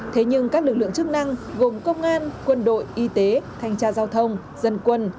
thế nhưng các lực lượng chức năng gồm công an quân đội y tế thanh tra giao thông dân quân